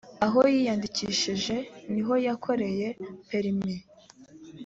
aho yiyiyandikishije niho yakoreye perimi